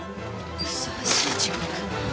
「ふさわしい地獄」？